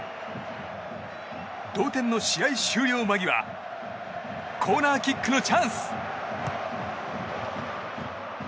同点の試合終了間際コーナーキックのチャンス。